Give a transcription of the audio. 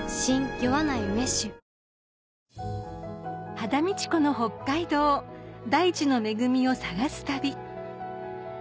羽田美智子の北海道大地の恵みを探す旅